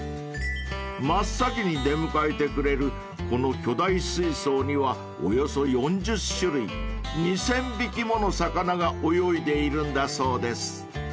［真っ先に出迎えてくれるこの巨大水槽にはおよそ４０種類２０００匹もの魚が泳いでいるんだそうです］